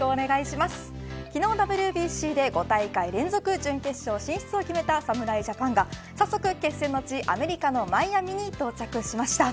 昨日ＷＢＣで５大会連続準決勝進出を決めた侍ジャパンが早速、決戦の地アメリカのマイアミに到着しました。